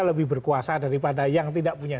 lebih berkuasa daripada yang tidak punya